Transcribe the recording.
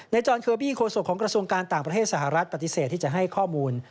จรเคอร์บี้โศกของกระทรวงการต่างประเทศสหรัฐปฏิเสธที่จะให้ข้อมูล